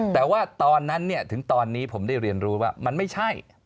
แต่ว่าตอนนั้นถึงตอนนี้ผมได้เรียนรู้ว่ามันไม่ใช่